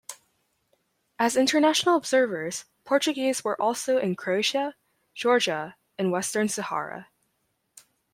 As international observers, Portuguese were also in Croatia, Georgia and Western Sahara.